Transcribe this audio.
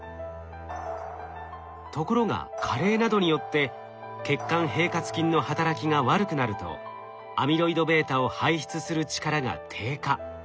ところが加齢などによって血管平滑筋の働きが悪くなるとアミロイドβを排出する力が低下。